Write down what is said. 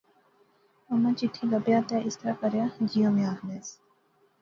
اماں چٹھی لبیا تے اس طرح کریا جیاں میں آخنیس